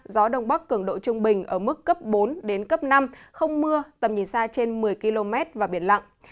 gió đông bắc cường độ trung bình ở mức cấp bốn đến cấp năm không mưa tầm nhìn xa trên một mươi km và biển lặng